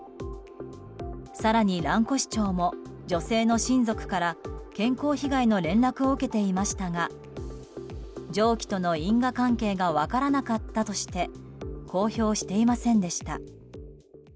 更に、蘭越町も女性の親族から健康被害の連絡を受けていましたが蒸気との因果関係が分からなかったとして公表していませんでした。